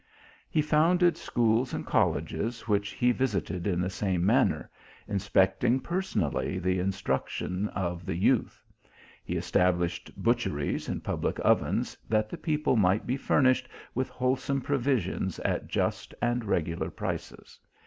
He founded schools and colleges, which he visited in the same manner, inspecting personally the in struction of the youth. He established butcheries and public ovens, that the people might be furnished with wholesome provisions at just and regular prices.